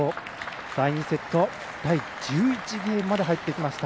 第２セット、第１１ゲームまで入ってきました。